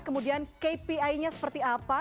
kemudian kpi nya seperti apa